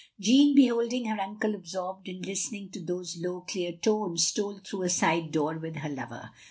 Jeanne, beholding her tincle absorbed in lis tening to those low, clear tones, stole through a side door, with her lover.